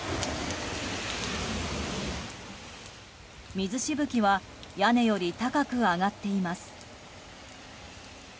水しぶきは屋根より高く上がっています。